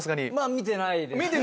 見てないですね。